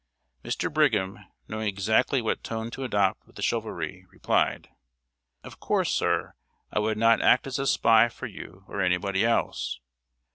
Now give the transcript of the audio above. ] Mr. Brigham, knowing exactly what tone to adopt with the "Chivalry," replied: "Of course, sir, I would not act as a spy for you or anybody else.